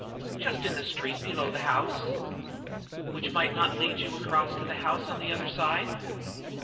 "Just in the street below the house." "Which might not lead you across to the house on the other side?"